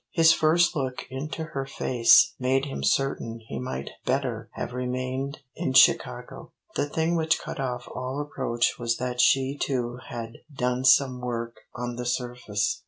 His first look into her face made him certain he might better have remained in Chicago. The thing which cut off all approach was that she too had done some work on the surface.